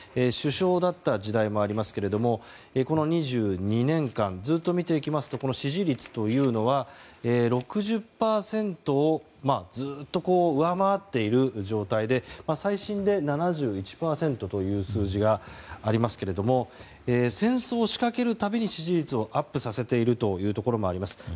首相だった時代もありますがこの２２年間ずっと見ていきますと支持率というのは６０％をずっと上回っている状態で最新で７１％という数字がありますけれども戦争を仕掛けるたびに支持率をアップさせているというところもあります。